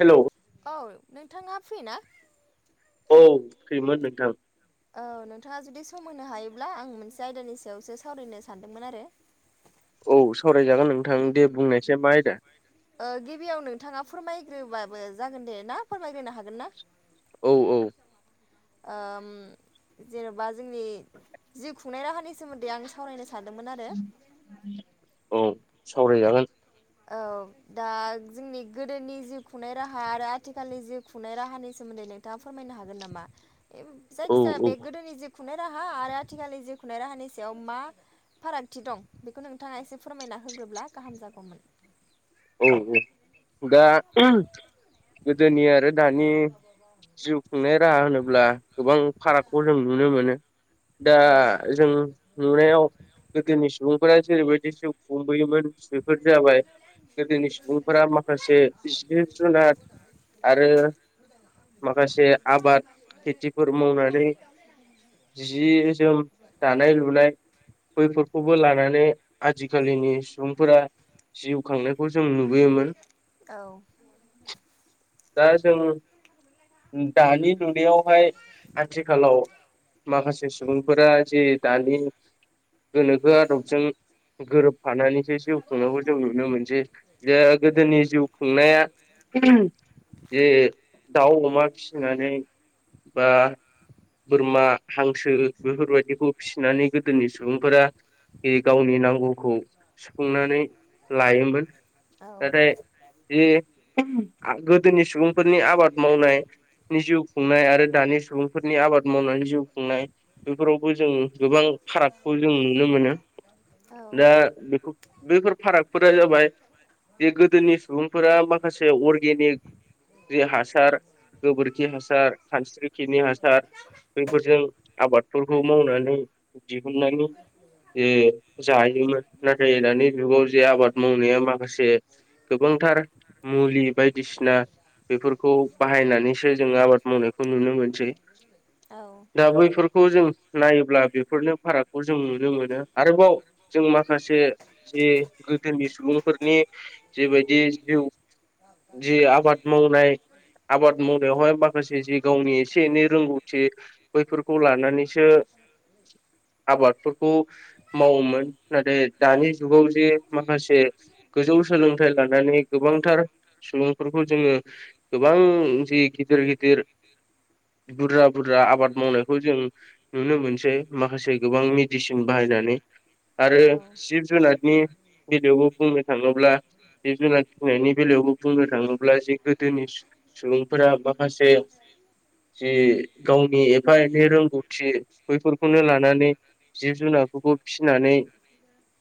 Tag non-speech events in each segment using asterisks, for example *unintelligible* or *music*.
Hello औ नोंथाङा फ्रि ना औ फ्रिमोन नोंथां औ नोंथाङा जुदि सम होनो हायोब्ला आं मोनसे आयदानि सायावसो सावरायनो सानदोंमोन आरो औ सावरायजागोन नोंथां दे बुंनायसाय मा आयदा ओ गिबियाव नोंथाङा फोरमायग्रोबाबो जागोन दे ना फोरमायग्रोनो हागोन ना औ औ ओम जेनबा जोंनि जिउ खुंनाय राहानि सोमोन्दै आं सावरायनो सा सानदोंमोन आरो औ सावरायजागोन औ दा जोंनि गोदोनि जिउ खुंनाय राहा आरो आथिखालनि जिउ खुंनाय राहानि सोमोन्दै नों थाङा फोरमायनो हागोन नामा औ जायखिया औ बे गोदोनि जिउ खुंनाय राहा आरो आथिखाल जिउ खुनाय राहानि सायाव मा फारागथि दं बेखौ नोंथाङा एसे फोरमायना होग्रोब्ला गाहाम जागौमोन औ औ दा गोदोनि आरो दानि जिउ खुंनाय राहा होनोब्ला गोबां फारागखौ जों नुनो मोनो दा औ जों नुनायाव गोदोनि सुबुंफोरा जेरैबायदि जिउ खुंबोयोमोन बेफोर जाबाय *unintelligible* गोदोनि सुबुंफोरा माखासे जिब जुनार आरो माखासे आबाद खेथिफोर मावनानै जि जोम दानाय लु नाय बैफोरखौबो लानानै आजिखालिनि सुबुंफोरा जिउ खांनो खौ जों नुबोयोमोन। औ दा जों दानि नुनायावहाय आथिखालाव माखासे सुबुंफोरा जे दानि गोनोखो आदबजों गोरोबफानानै बे जिउ खुंनायखौ जों नुनो मोनसै दा गोदोनि जिउ खुंनाया जे दाउ अमा फिसिनानै बा बोरमा हांसो बेफोरबायदिखौ फिसिनानै गोदोनि सुबुंफोरा बे गावनि नांगौखौ सुफुंनानै लायोमोन औ नाथाय जे आगो दोनि सुबुंफोरनि आबाद मावनाय नि जिउ खुंनाय आरो दानि सुबुंफोरनि आबाद मावनानै जिउ खुंनाय बेफोरावबो जों गोबां फारागखौ जों नुनो मोनो दा बेखौ बैफोर फारागफोरा जाबाय जे गोदोनि सुबुंफोरा माखासे अरगेनिक जि हासार गोबोरखि हासार खानस्रिखिनि हासार बेफोरजों आबादफोरखौ मावनानै दिहुननायनि जे जायोमोन नाथाय दानि जुगाव जे आबाद मावनाया माखासे गोबांथार मुलि बायदिसिना बेफोरखौ बाहायनानैसो जों आबाद मावनायखौ नुनो मोनसै। औ दा बैफोरखौ जों नायोब्ला बेफोरनो फारागखौ जों नुनो मोनो आरोबाव जों माखासे जि गोदोनि सुबुंफोरनि जिबायदि जिउ जि आबाद मावनाय आबाद मावनायावहाय माखासे जि गावनि एसे एनै रोंगौथि बैफोरखौ लानानैसो आबादफोरखौ मावोमोन नाथाय दानि जुगाव जे माखासे गोजौ सोलोंथाइ लानानै गोबांथार सुबुंफोरखौ जोङो गोबां जि गिदिर गिदिर बुरजा बुरजा आबाद मावनायखौ जों नुनो मोनसै माखासे गोबां मेडिसिन बाहायनानै आरो औ जिब जुनारनि बेलायावबो बुंनो थाङोब्ला जिब जुनार फिनायनि बेलायावबो बुंनो थाङोब्ला जि गोदोनि सुबुंफोरा माखासे जि गावनि एफा एनै रोंगौथि बैफोरखौनो लानानै जिब जुनारफोरखौ फिनानै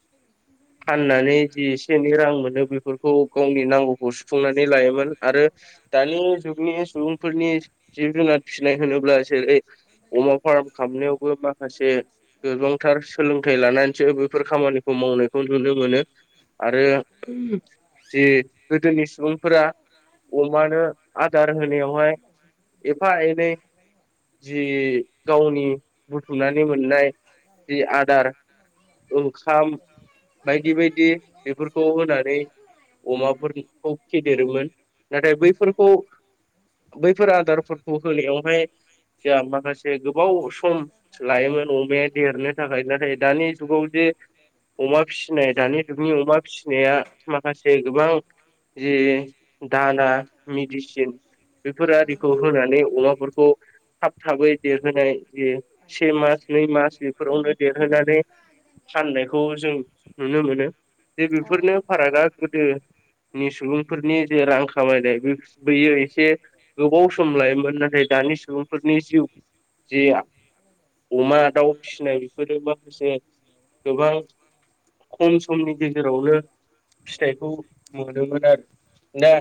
*inaudible* फाननानै जि एसे एनै रां मोनो बेफोरखौ गावनि नांगौखौ सुफुंनानै लायोमोन। आरो दानि जुगनि सुबुंफोरनि जिब जुनार फिसिनाय होनोब्ला जेरै अमा फार्म खालामनायावबो माखासे गोबां थार सोलोंथाइ लानानैसो बेफोर खामानिखौ मावनायखौ नुनो मोनो। आरो जि गोदोनि सुबुंफोरा अमानो आदार होनायावहाय एफा एनै जि गावनि बुथुमनानै मोननाय जि आदार *unintelligible* ओंखाम बायदि बायदि बेफोरखौ होनानै अमाफोरखौ फेदेरोमोन। नाथाय बैफोरखौ बैफोर आदारफोरखौ होनायावहाय जोहा माखासे गोबाव सम लायोमोन अमाया देरनो थाखाय नाथाय दानि जुगाव जे अमा फिसिनाय दानि जुगनि अमा फिसिनाया माखासे गोबां जि दाना मेडिसिन बेफोर उम आरिखौ होनानै अमाफोरखौ थाब थाबै देरहोनाय जे से मास नै मास बे फोरावनो देरहोनानै फाननायखौ जों नुनो मोनो। जे बेफोरनो फारागा गोदोनि सुबुंफोरनि जे रां खामायनाय बै बैयो एसे गोबाव सम लायोमोन नाथाय दानि सुबुंफोरनि जिउ जिया अमा दाउ फिसिनाय बेफोरो माखासे गोबां खम समनि गेजेरावनो फिथाइखौ मोनोमोन आरो। दा औ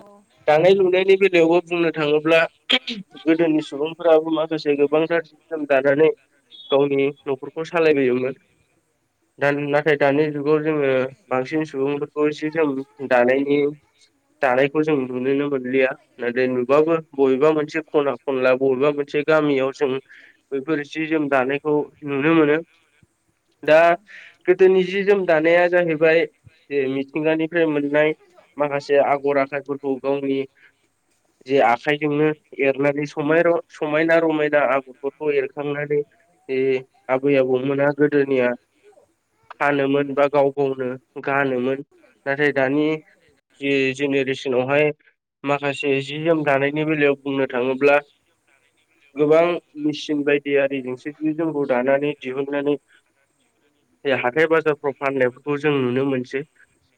दानाय लुनायनि बेलायावबो बुंनो थाङोब्ला गोदोनि सुबुंफोराबो माखासे जे गोबां गारजि जि जोम दानानै गावनि नखरखौ सालायबोयोमोन। दा नाथाय दानि जुगाव जोङो बांसिन सुबुंफोरखौ एसे जोम दानायनि दानायखौ जों नुुनोनो मोनलिया। नाथाय नुबाबो बबेबा मोनसे खना खनला बबेबा मोनसे गामियाव जों बैफोर जि जोम दानायखौ नुनो मोनो दा औ बे दिनै जि जोम दानाया जाहैबाय मिथिंगानिफ्राय मोननाय माखासे आ बर'आखाइफोरखौ गावनि *inaudible* जे आखाइजोंनो एरनानै समाय र समायना रमायना आगरफोरखौ एरखांनानै बे आबै आबौ मोना गोदोनिया फानोमोन बा गाव गावनो गानोमोन नाथाय दानि जि जेनेरेसनावहाय माखासे जि जोम दानायनि बेलायाव बुंनो थाङोब्ला गोबां मेचिन बायदि आरिजोंसो जि जोमखौ दानानै दिहुननानै बे हाथाय बाजारफ्राव फाननायफोरखौ जों नुनो मोनसै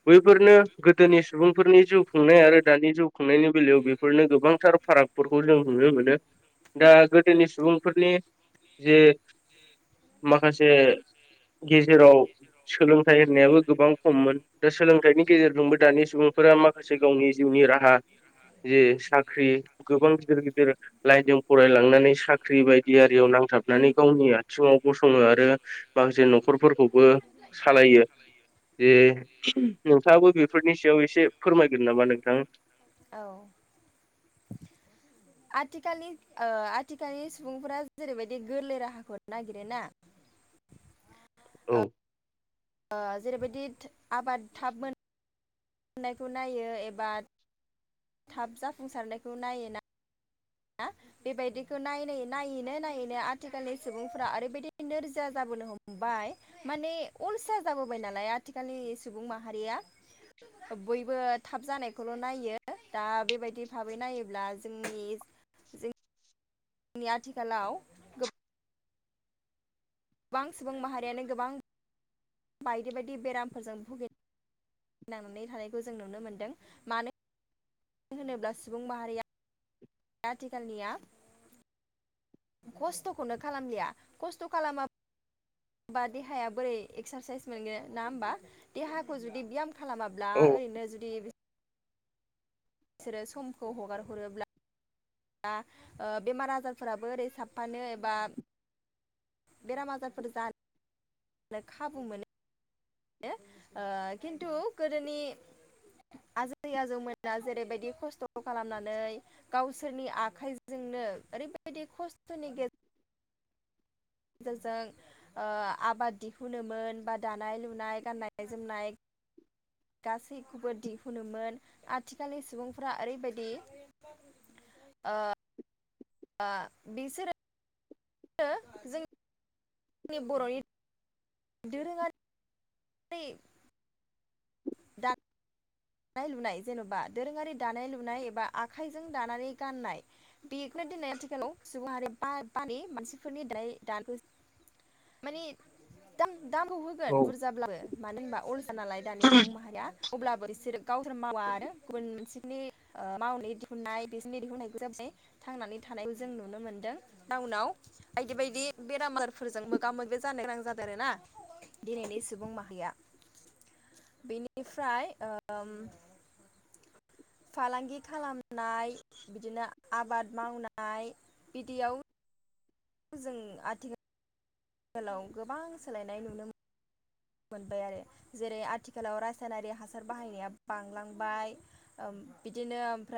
बैफोरनो गोदोनि सुबुं फोरनि जिउ खुंनाय आरो दानि जिउ खुंनायनि बेलायाव बेफोरनो गोबांथार फारागफोरखौ जों नुनो मोनो। दा गोदोनि सुबुंफोरनि जे माखासे गेजेराव सोलोंथाइ होनायाबो गोबां खममोन दा सोलों थाइनि गेजेरजोंबो दानि सुबुं माखासे गावनि जिउनि राहा जे साख्रि गोबां गिदिर गिदिर लाइनजों फरायलांनानै साख्रि बायदि आरियाव नांथाबनानै गावनि आथिङाव गसङो आरो माखासे नखरफोरखौबो सालायो‌। बे नोंथाङाबो बेफोरनि सायाव एसे फोरमायगोन नामा नोंथां? औ आथिखालनि ओ आथिखालनि सुबुंफोरा जेरैबायदि गोरलै राहाखौ नागिरो ना औ ओ जेरैबायदि आबाद थाब मोन नायखौ नायो एबा थाब जाफुंसारनायखौ नायोना ना बेबायदिखौ नायै नायैनो नायैनो आथिखालनि सुबुंफ्रा ओरैबायदि नोरजिया जाबोनो हमबाय माने अलसि जाबोबाय नालाय आथिखालनि सुबुं माहारिया बयबो थाब जानायखौल' नायो दा बेबायदि भाबै नायोब्ला जोंनि जों जोंनि आथिखालाव गोबां सुबुं माहारियानो गोबां बायदि बायदि बेरामफोरजों भुगि नांनानै थानायखौ जों नुनो मोनदों मानो मानो होनोब्ला सुबुं माहारिया आथिखालनिया खस्थ'खौनो खालामलिया खस्थ' खालामा। बा देहाया बोरै एक्सारसाइस मोनगोन ना होमबा देहाखौ जुदि बियाम खालामाबा ब्ला औ ओरैनो जुदि बिसोरो समखौ हगार हरोब्ला दा ओ बेमार आजारफोराबो ओरै साबफानो एबा बेराम आजारफोर जानो खाबु मोनो। खिन्थु गोदोनि आजै आजौमोना जेरैबायदि खस्थ' खालामनानै गावसोरनि आखाइजोंनो ओरैबायदि खस्थ'नि गे जेरजों ओ आबाद दिहुनोमोन बा दानाय लुनाय गान्नाय जोमनाय गासैखौबो दिहुनोमोन आथिखालनि सुबुंफोरा ओरैबायदि ओ ओ बेसोरो ओ जों नि बर'नि दोरोङारि रि दा दानाय लुनाय जेन'बा दोरोङारि दानाय लुनाय एबा आखाइजों दानानै गाननाय बेखौनो दिनै आथिखालाव सुबुं हारि बा बारि मानसिफोरनि दायो दानिखौ माने दाम दामखौ होगोन औ बुरजाब्लाबो। मानो होनबा अलसिया नालाय दानि सुबुं माहारिया अब्लाबो इसोर गावसोर मावा आरो गुबुन मोनसेनि मावनानै दिहुननाय बिसिनि दिहुननायखौ जाबाय थांनानै थानायखौ जों नुनो मोनदों टाउनाव। बायदि बायदि बेराम आजारफोरजों मोगा मोगि जानो गोनां जादों आरोना। दिनैनि सुबुं माहारिया बेनिफ्राय ओ उम फालांगि खालामनाय बिदिनो आबाद मावनाय बिदियाव जों आथिखाल लाव गोबां सोलायनाय नुनो मोनबाय आरो जेरै आथिखालाव रासायनारि हासार बाहायनाया बांलांबाय बिदिनो ओमफ्राय